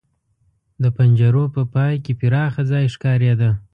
د پنجرو په پای کې پراخ ځای ښکارېده.